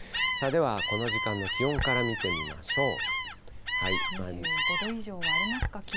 この時間の気温から見てみましょ２５度以上はありますか。